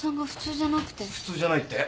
普通じゃないって？